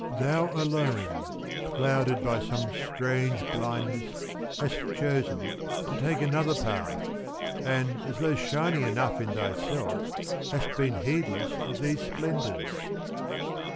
Thou alone, clouded by some strange blindness, hast chosen to take another path, and as though shining enough in thyself, hast been heedless of these splendours.